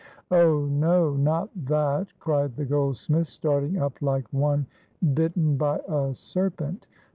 "Oh, no, not that!" cried the goldsmith, starting up like one bitten by a serpent.